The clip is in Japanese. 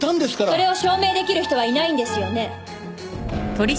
それを証明出来る人はいないんですよね？